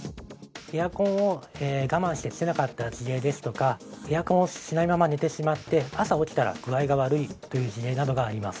エアコンを我慢してつけなかった事例ですとかエアコンをしないまま寝てしまって朝起きたら具合が悪いという事例などがあります。